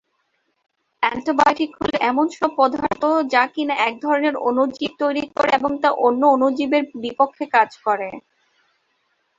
Antibiotic হল এমন সব পদার্থ যা কিনা একধরনের অণুজীব তৈরি করে এবং তা অন্য অণুজীবের বিপক্ষে কাজ করে।